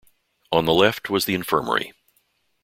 On the left was the infirmary.